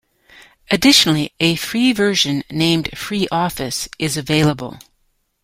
Additionally, a free version named FreeOffice is available.